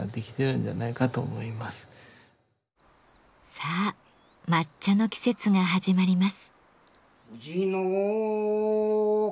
さあ抹茶の季節が始まります。